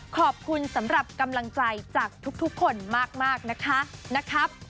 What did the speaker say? ขอบคุณสำหรับกำลังใจจากทุกคนมากนะคะ